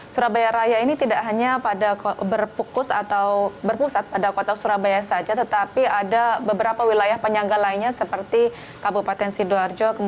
surabaya raya ini tidak hanya pada berpusat pada kota surabaya saja tetapi ada beberapa wilayah penyangga lainnya seperti kabupaten sidoarjo